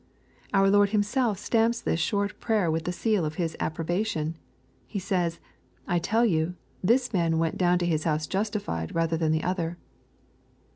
Our Lord Himself stamps this short prayer with the seal of His approbation. He says, " I tell you, this man went down to his house justified rather than the other."